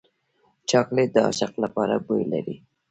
چاکلېټ د عاشق لپاره بوی لري.